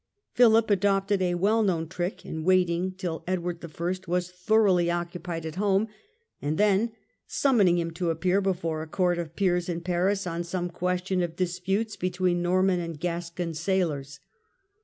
Philip adopted a well known trick in waiting till Edward I. was thoroughly occupied at home, and then summoning him to appear before a court of peers in Paris, on some question of disputes between Norman and Gascon sailors.